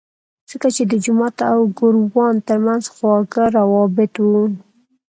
ځکه چې د جومات او ګوروان ترمنځ خواږه روابط وو.